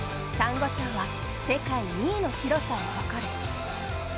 ご礁は世界２位の広さを誇る。